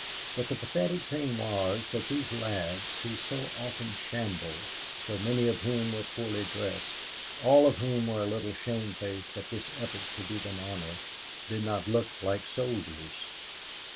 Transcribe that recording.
But the pathetic thing was that these lads, who so often shambled, so many of whom were poorly dressed, all of whom were a little shamefaced at this effort to do them honor, did not look like soldiers.